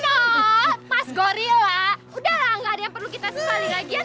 lino mas gorilla udah lah gak ada yang perlu kita susah dikajian